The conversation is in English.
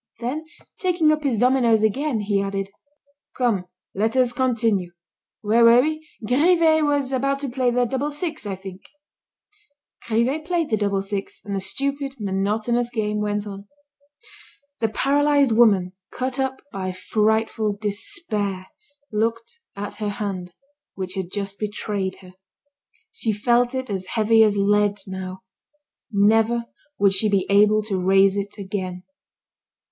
Then, taking up his dominoes again, he added: "Come, let us continue. Where were we? Grivet was about to play the double six, I think." Grivet played the double six, and the stupid, monotonous game went on. The paralysed woman, cut up by frightful despair, looked at her hand, which had just betrayed her. She felt it as heavy as lead, now; never would she be able to raise it again.